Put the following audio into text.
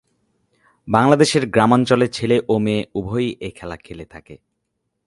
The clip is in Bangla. বাংলাদেশের গ্রামাঞ্চলে ছেলে ও মেয়ে উভয়ই এ খেলা খেলে থাকে।